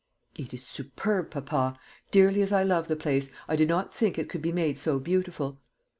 "It is superb, papa. Dearly as I love the place, I did not think it could be made so beautiful."